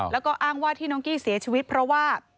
แล้วก็อ้างว่าที่น้องกี้เสียชีวิตเพราะว่า